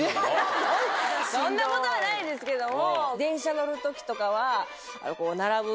そんなことはないですけども。